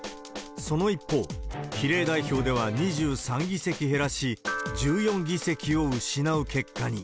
その一方、比例代表では２３議席減らし、１４議席を失う結果に。